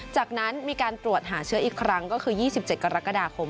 จากนั้นมีการตรวจหาเชื้ออีกครั้งก็คือ๒๗กรกฎาคม